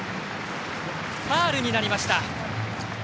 ファウルになりました。